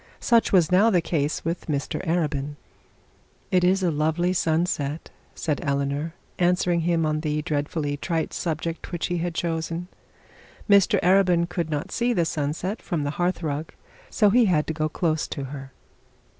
Such was now the case with Mr Arabin. 'It is a lovely sunset,' said Eleanor, answering him on the dreadfully trite subject which he had chosen. Mr Arabin could not see the sunset from the hearth rug, as he had to go close to her.